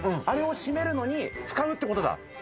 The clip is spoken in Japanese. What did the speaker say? あれを締めるのに使うってことだ。